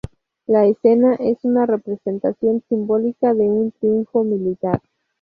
La escena es una representación simbólica de un triunfo militar.